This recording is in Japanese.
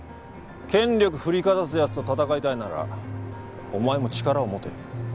権力振りかざすやつと闘いたいならお前も力を持て。